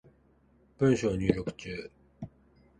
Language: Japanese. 文章入力中